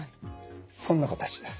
そんな形です。